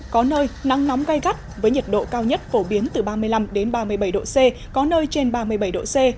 có nơi nắng nóng gai gắt với nhiệt độ cao nhất phổ biến từ ba mươi năm ba mươi bảy độ c có nơi trên ba mươi bảy độ c